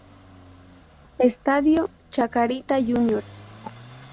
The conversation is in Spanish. Estadio: Chacarita Juniors.